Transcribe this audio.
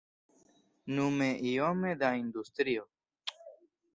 Nune iome da industrio.